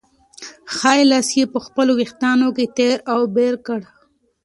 ښی لاس یې په خپلو وېښتانو کې تېر او بېر کړ.